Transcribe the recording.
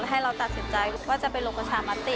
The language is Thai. ให้เราตัดสินใจว่าจะไปลงประชามติ